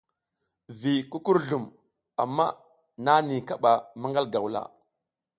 Vi kukurzlum amma nani kaɓa maƞgal gawla.